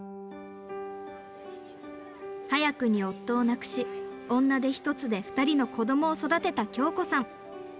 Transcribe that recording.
早くに夫を亡くし女手一つで２人の子どもを育てた京子さん。